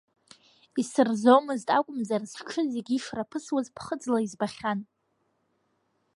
Исырзомызт акәымзар, сҽы зегьы ишраԥысуаз ԥхыӡла избахьан!